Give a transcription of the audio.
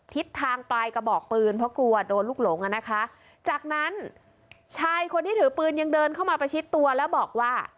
ทิศทางปลายกระบอกปืนเพราะกลัวโดนลูกหลงอ่ะนะคะจากนั้นชายคนที่ถือปืนยังเดินเข้ามาประชิดตัวแล้วบอกว่า